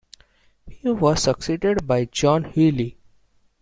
He was succeeded by John Healey.